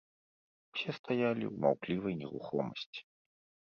Усе стаялі ў маўклівай нерухомасці.